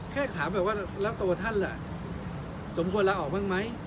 แค่ถามแบบว่าแล้วตัวท่านสมควรลาออกบ้างไหม